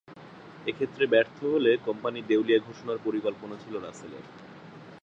এক্ষেত্রে ব্যর্থ হলে কোম্পানি দেউলিয়া ঘোষণার পরিকল্পনা ছিল রাসেলের।